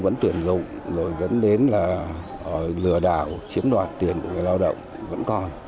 vẫn tuyển dụng rồi dẫn đến là lừa đảo chiếm đoạt tiền của người lao động vẫn còn